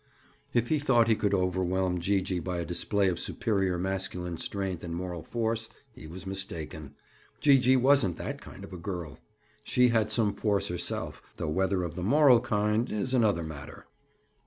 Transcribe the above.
If he thought he could overwhelm Gee gee by a display of superior masculine strength and moral force, he was mistaken. Gee gee wasn't that kind of a girl. She had some force herself, though whether of the moral kind is another matter.